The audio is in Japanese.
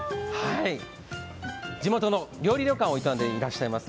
地元の料理旅館を営んでおられます